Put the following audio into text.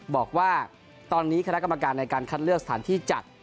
บอกว่าตอนนี้คณะกรรมการในการคัดเลือกสถานที่จัด